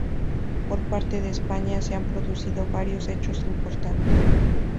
Por parte de España se han producido varios hechos importantes.